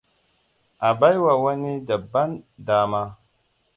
A baiwa wani daban dama.